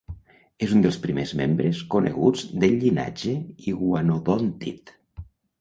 És un dels primers membres coneguts del llinatge iguanodòntid.